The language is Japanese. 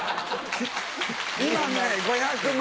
今ね５００万。